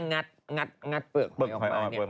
งัดเปลือกหวยออกมาเนี่ย